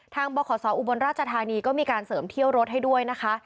บขศอุบลราชธานีก็มีการเสริมเที่ยวรถให้ด้วยนะคะ